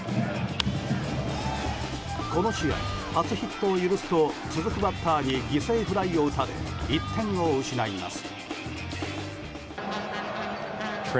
この試合、初ヒットを許すと続くバッターに犠牲フライを打たれ１点を失います。